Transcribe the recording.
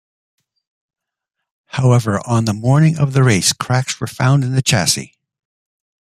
However, on the morning of the race, cracks were found in the chassis.